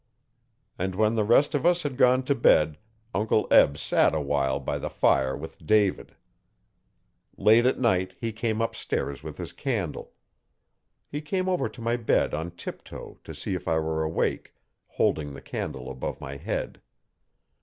And when the rest of us had gone to bed Uncle Eb sat awhile by the fire with David. Late at night he came upstairs with his candle. He came over to my bed on tiptoe to see if I were awake, holding the candle above my head.